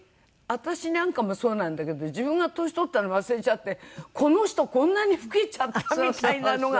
私なんかもそうなんだけど自分が年取ったのを忘れちゃってこの人こんなに老けちゃったみたいなのが結構楽しいのよ。